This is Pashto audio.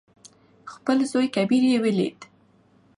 خپل زوى کبير يې ولېد.